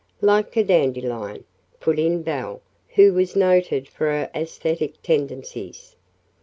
"Like a dandelion," put in Belle, who was noted for her aesthetic tendencies.